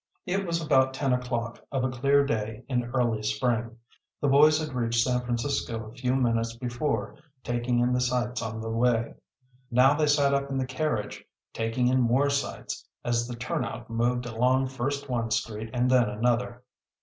It was about ten o'clock of a clear day in early spring. The boys had reached San Francisco a few minutes before, taking in the sights on the way. Now they sat up in the carriage taking in more sights, as the turnout moved along first one street and then another.